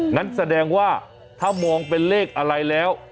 งั้นแสดงว่าถ้ามองเป็นเลขอะไรแล้ว